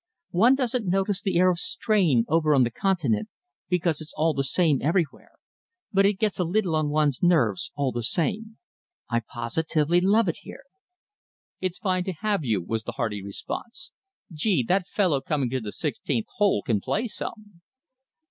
"One doesn't notice the air of strain over on the Continent, because it's the same everywhere, but it gets a little on one's nerves, all the same. I positively love it here." "It's fine to have you," was the hearty response. "Gee, that fellow coming to the sixteenth hole can play some!"